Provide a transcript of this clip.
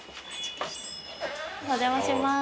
・お邪魔します。